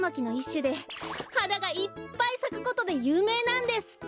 しゅではながいっぱいさくことでゆうめいなんです。